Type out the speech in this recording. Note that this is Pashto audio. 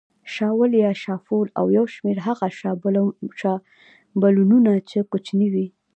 شاول یا شافول او یو شمېر هغه شابلونونه چې کوچني وي.